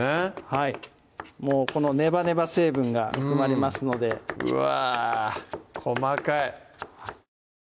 はいこのネバネバ成分が含まれますのでうわ